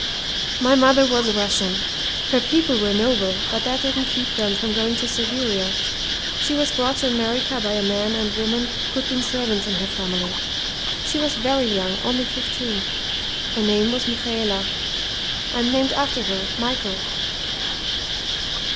"My mother was a Russian. Her people were noble, but that didn't keep them from going to Siberia. She was brought to America by a man and woman who'd been servants in her family. She was very young, only fifteen. Her name was Michaela. I'm named after her Michael.